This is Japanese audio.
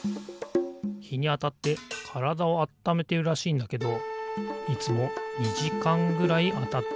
ひにあたってからだをあっためてるらしいんだけどいつも２じかんぐらいあたってんだよなあ。